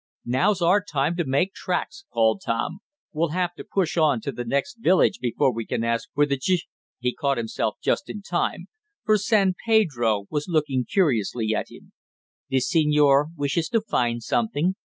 "Now's our time to make tracks!" called Tom. "We'll have to push on to the next village before we can ask where the gi " he caught himself just in time, for San Pedro was looking curiously at him. "The senor wishes to find something?"